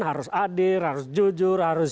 harus adil harus jujur